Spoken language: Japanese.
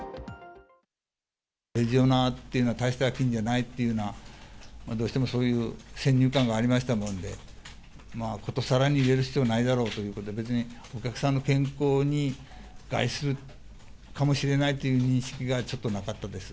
レジオネラっていうのは大した菌じゃないっていうのは、どうしてもそういう先入観がありましたもんで、まあことさらに入れる必要はないだろうということで、別にお客さんの健康に害するかもしれないっていう認識が、ちょっとなかったです。